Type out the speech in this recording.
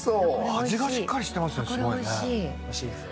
味がしっかりしてますねすごいね。